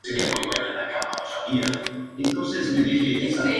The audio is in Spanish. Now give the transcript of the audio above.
El proyecto fue cancelado y los esfuerzos de desarrollo se concentraron en el Kestrel.